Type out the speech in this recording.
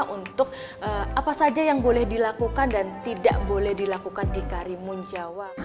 untuk apa saja yang boleh dilakukan dan tidak boleh dilakukan di karimun jawa